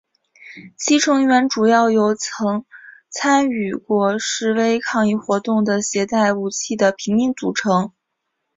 其成员主要由曾参与过示威抗议活动的携带武器的平民组成。